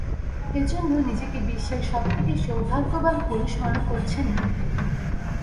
এ জন্য নিজেকে বিশ্বের সব থেকে সৌভাগ্যবান পুরুষ মনে করছেন নিক।